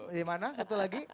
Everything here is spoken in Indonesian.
gimana satu lagi